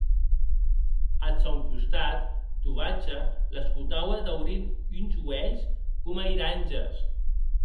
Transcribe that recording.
Ath sòn costat, Tuvache l’escotaue daurint uns uelhs coma iranges.